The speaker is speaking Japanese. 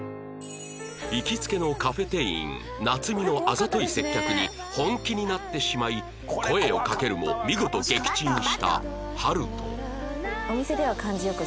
行きつけのカフェ店員ナツミのあざとい接客に本気になってしまい声をかけるも見事撃沈した晴翔